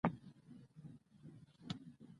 چې تاسو له لاسه ورکړل او هڅه مو ونه کړه.